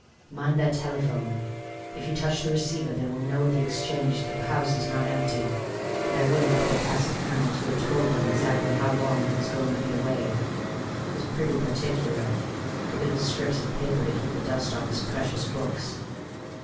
Mind that telephone! If you touch the receiver they will know at the exchange that the house is not empty, and I wouldn't put it past the colonel to have told them exactly how long he was going to be away. He's pretty particular: look at the strips of paper to keep the dust off his precious books!"